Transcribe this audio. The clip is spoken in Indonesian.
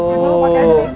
ya lo pake aja deh